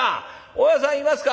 大家さんいますか」。